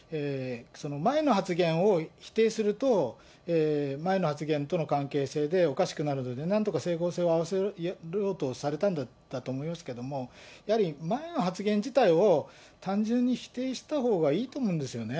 前の発言を否定すると、前の発言との関係性でおかしくなるので、なんとか整合性を合わせようとされたんだと思いますけれども、やはり前の発言自体を単純に否定したほうがいいと思うんですよね。